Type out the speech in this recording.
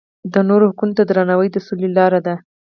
د نورو حقونو ته درناوی د سولې لاره ده.